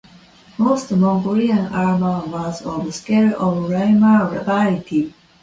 Most Mongolian armour was of scale and lamellar variety.